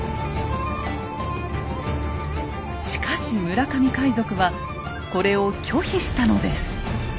しかし村上海賊はこれを拒否したのです。